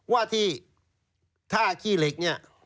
ว่าที่ท่าขี้เหล็กเนี่ย